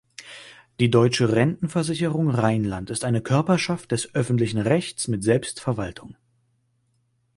Die Deutsche Rentenversicherung Rheinland ist eine Körperschaft des öffentlichen Rechts mit Selbstverwaltung.